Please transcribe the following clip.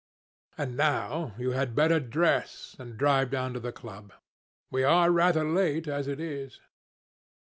And now you had better dress and drive down to the club. We are rather late, as it is."